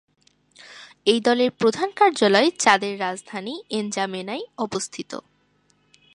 এই দলের প্রধান কার্যালয় চাদের রাজধানী এনজামেনায় অবস্থিত।